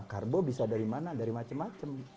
karbo bisa dari mana dari macam macam